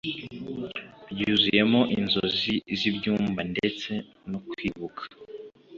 byuzuyemo inzozi z'ibyumba ndetse no kwibuka